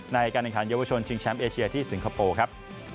ในการแข่งขันเยาวชนชิงแชมป์เอเชียที่สิงคโปร์ครับ